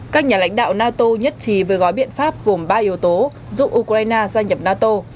các nhà lãnh đạo nato nhất trí với gói biện pháp gồm ba yếu tố giúp ukraine gia nhập nato